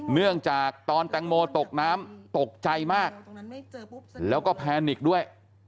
เนื่องจากตอนแตงโมตกน้ำตกใจมากแล้วก็แพนิกด้วย